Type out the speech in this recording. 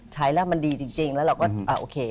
ใช้แล้วมันดีจริงแล้วเราก็โอเค